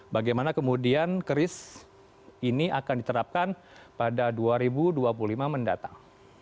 bagaimana kemudian keris ini akan diterapkan pada dua ribu dua puluh lima mendatang